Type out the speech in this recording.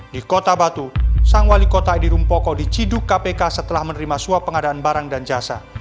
di kota batu sang wali kota edi rumpoko diciduk kpk setelah menerima suap pengadaan barang dan jasa